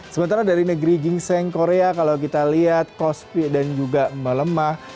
sementara dari negeri gingseng korea kalau kita lihat kospi dan juga melemah